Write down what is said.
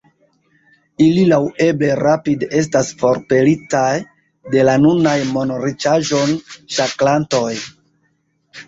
Ili laŭeble rapide estas forpelitaj de la nunaj monriĉaĵon ŝakrantoj“.